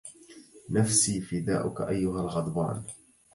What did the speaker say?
نفسي فداؤك أيها الغضبان